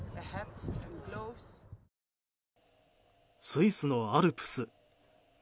スイスのアルプス。